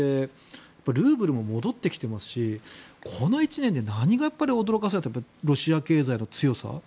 ルーブルも戻ってきてますしこの１年で何に驚かされたってロシア経済の強さ。